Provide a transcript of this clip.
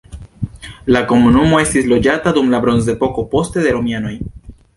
La komunumo estis loĝata dum la bronzepoko, poste de romianoj.